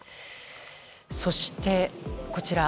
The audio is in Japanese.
そして、こちら。